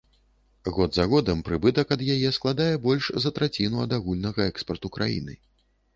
Год за годам прыбытак ад яе складае больш за траціну ад агульнага экспарту краіны.